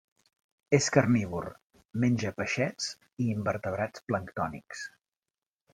És carnívor: menja peixets i invertebrats planctònics.